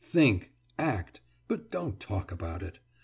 Think, act, but don't talk about it.